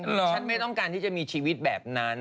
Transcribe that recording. ฉันไม่ต้องการที่จะมีชีวิตแบบนั้น